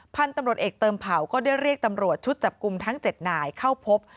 พันธุ์ตำรวจเอกเติมเผาก็ได้เรียกตำรวจชุดจับกลุ่มทั้ง๗นายเข้าพบ